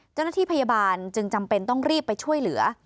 เจ้าหน้าที่พยาบาลจึงจำเป็นต้องรีบไปช่วยเหลือ